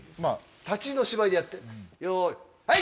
立ちの芝居でやってよいハイ！